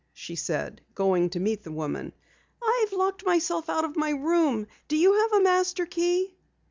she said, going to meet the woman. "I've locked myself out of my room. Do you have a master key?"